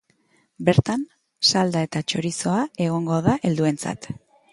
Bertan salda eta txorizoa egongo da helduentzat.